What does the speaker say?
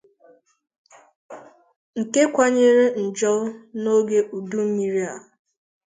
nke kawanyere njọ n'oge udummiri a